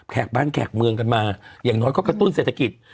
กบ้านแขกเมืองกันมาอย่างน้อยก็กระตุ้นเศรษฐกิจ